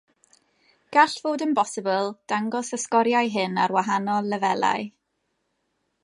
Gall fod yn bosibl dangos y sgoriau hyn ar wahanol lefelau.